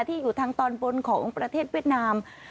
ที่อยู่ทางตอนบนของประเทศเวียดนาม